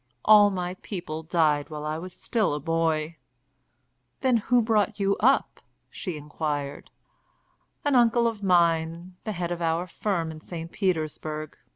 "All my people died while I was still a boy." "Then who brought you up?" she inquired. "An uncle of mine, the head of our firm in St. Petersburg.